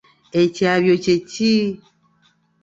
Ekyabyo kye ki?